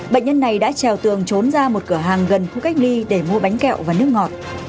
bệnh nhân này đã trèo tường trốn ra một cửa hàng gần khu cách ly để mua bánh kẹo và nước ngọt